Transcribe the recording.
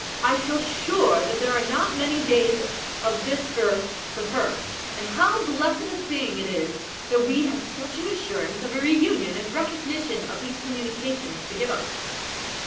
I feel sure that there are not many days of this earth for her, and how blessed a thing it is that we have such an assurance of a reunion and recognition as these communications give to us."